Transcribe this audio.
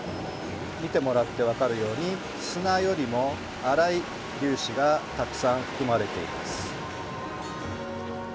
見てもらって分かるように砂よりも粗い粒子がたくさん含まれています。